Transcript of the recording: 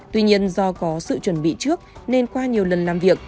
tuy nhiên do có sự chuẩn bị trước nên qua nhiều lần làm việc